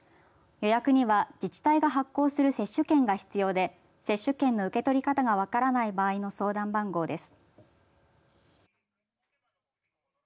予約には自治体が発行する接種券が必要で接種券の受け取り方が分からない場合の相談番号です。